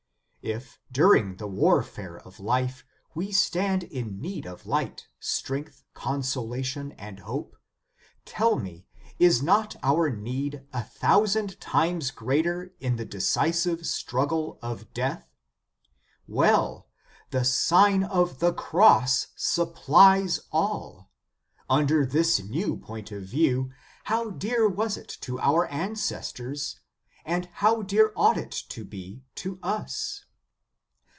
If, during the warfare of life, we stand in need of light, strength, consolation, and hope ; tell me, is not our need a thousand times greater in the decisive struggle of death? Well! the Sign of the Cross supplies all. Under this new point of view, how dear was it to our ances tors, and how dear ought it to be to us